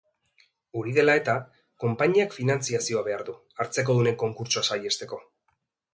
Hori dela eta, konpainiak finantziazioa behar du, hartzekodunen konkurtsoa saihesteko.